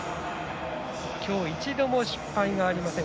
今日一度も失敗がありません